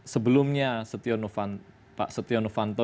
sebelumnya pak setio novanto